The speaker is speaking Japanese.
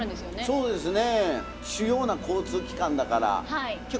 そうですか。